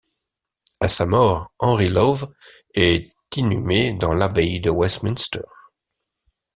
À sa mort, Henry Lawes est inhumé dans l'Abbaye de Westminster.